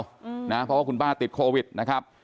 เพราะว่าคุณป้าติดโควิดนะครับ